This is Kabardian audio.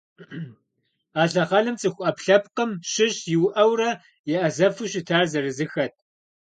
А лъэхъэнэм цӏыху ӏэпкълъэпкъым щыщ иуӏэурэ еӏэзэфу щытар зырызыххэт.